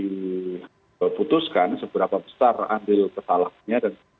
memutuskan seberapa besar andil kesalahannya dan